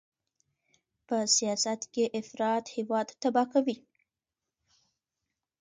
په سیاست کې افراط هېواد تباه کوي.